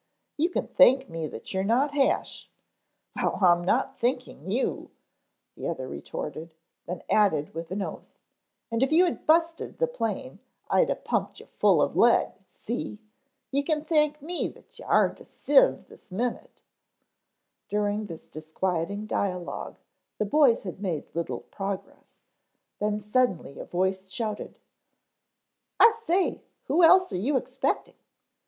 You can thank me that you're not hash " "Well, I'm not thanking you," the other retorted, then added with an oath, "and if you had busted the plane, I'd a pumped you full of lead, see. You can thank me that you aren't a sieve this minute." During this disquieting dialogue the boys had made little progress, then suddenly a voice shouted. "I say, who else are you expecting?"